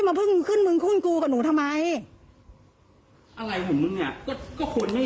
ยืนอะไรอ่ะหนูก็ถามดีอ่ะ